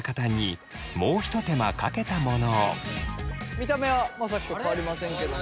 見た目はまあさっきと変わりませんけども。